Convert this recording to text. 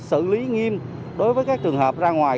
xử lý nghiêm đối với các trường hợp ra ngoài